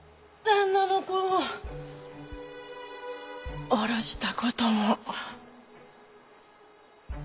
旦那の子をおろした事も。